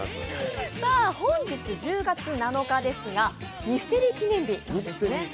本日１０月７日ですがミステリー記念日ですね。